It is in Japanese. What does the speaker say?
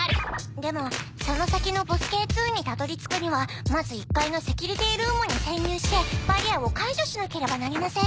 でもその先のボスＫ−２にたどり着くにはまず１階のセキュリティールームに潜入してバリアを解除しなければなりません。